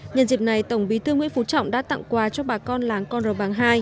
nhân dịp này tổng bí thương nguyễn phú trọng đã tặng quà cho bà con láng con rờ bàng hai